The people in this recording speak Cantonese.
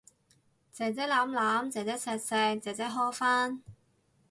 姐姐攬攬，姐姐錫錫，姐姐呵返